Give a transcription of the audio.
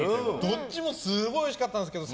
どっちもすごいおいしかったんですけど